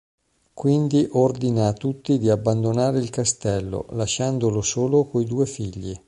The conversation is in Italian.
Quindi ordina a tutti di abbandonare il castello, lasciandolo solo coi due figli.